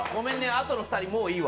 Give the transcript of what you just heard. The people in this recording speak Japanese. あとの２人もういいわ。